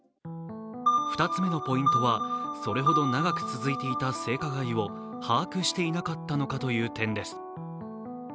２つ目のポイントは、それほど長く続いていた性加害を把握していなかったのかという点です